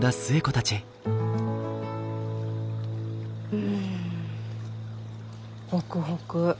うんホクホク。